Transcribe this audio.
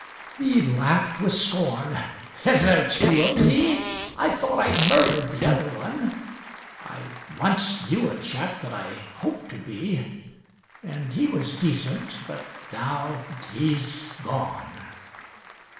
He laughed with scorn. "Is there two of me? I thought I'd murdered the other one. I once knew a chap that I hoped to be, And he was decent, but now he's gone."